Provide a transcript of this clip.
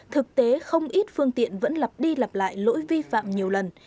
thực tế không ít phương tiện vẫn lặp đi lặp lại lỗi vi phạm nhiều lần